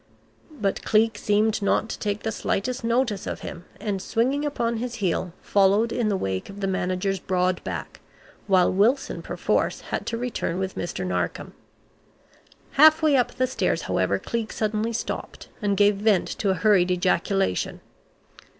But Cleek seemed not to take the slightest notice of him, and swinging upon his heel followed in the wake of the manager's broad back, while Wilson perforce had to return with Mr. Narkom. Half way up the stairs, however, Cleek suddenly stopped, and gave vent to a hurried ejaculation.